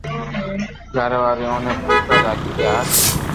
گھر واري اوني پوسوا لاگي ڪي اج